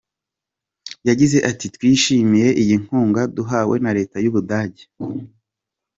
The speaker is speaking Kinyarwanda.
Yagize ati:” Twishimiye iyi nkunga duhawe na leta y’u Budage.